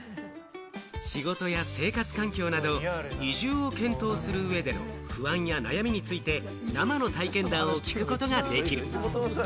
仕事や生活環境など、移住を検討する上での不安や悩みについて生の体験談を聞くことができる。